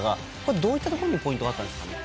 どういったところにポイントがあったんでしょうか。